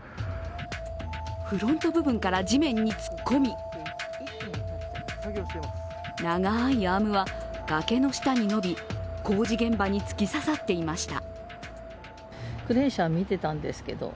フロント部分から地面に突っ込み、長いアームは崖の下に伸び、工事現場に突き刺さっていました。